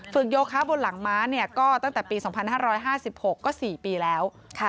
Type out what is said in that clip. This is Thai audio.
โยคะบนหลังม้าก็ตั้งแต่ปี๒๕๕๖ก็๔ปีแล้ว